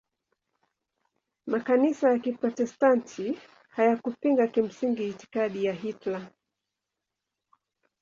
Makanisa ya Kiprotestanti hayakupinga kimsingi itikadi ya Hitler.